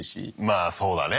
まあそうだね。